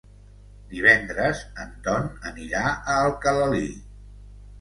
Divendres en Ton anirà a Alcalalí.